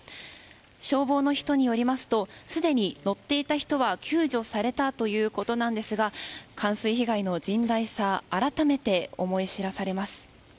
消防の人によりますとすでに乗っていた人は救助されたということですが冠水被害の甚大さ改めて思い知らされます。